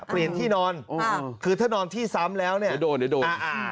เปลี่ยนที่นอนคือถ้านอนที่ซ้ำแล้วเนี่ยเดี๋ยวโดนเดี๋ยวโดน